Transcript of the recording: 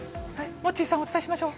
モッチーさん、お伝えしましょう。